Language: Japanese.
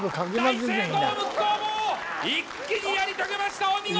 一気にやりとげましたお見事！